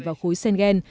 vào khối schengen